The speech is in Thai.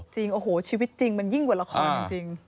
จริงโอ้โหชีวิตจริงมันยิ่งกว่าละครจริง